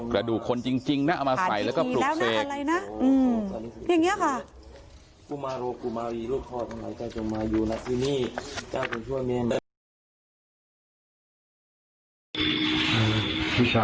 กระดูกคนจริงนะเอามาใส่แล้วก็ปลุกเสก